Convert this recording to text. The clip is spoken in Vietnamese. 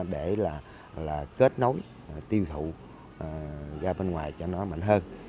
để là kết nối tiêu thụ ra bên ngoài cho nó mạnh hơn